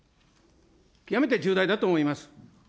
極めて重大だと思います。